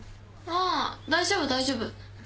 ああ大丈夫大丈夫。